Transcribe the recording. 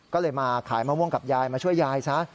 ก็เลยมาขายมะม่วงกับยายมาช่วยยายซะ